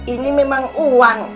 ini memang uang